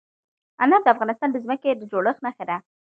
انار د افغانستان د ځمکې د جوړښت نښه ده.